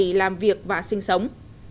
thì làm việc và sinh sống